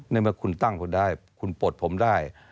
นึกมาคุณตั้งคุณได้คุณปลดผมได้